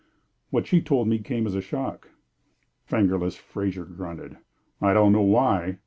"What she told me came as a shock." "Fingerless" Fraser grunted. "I don't know why.